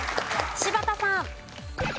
柴田さん。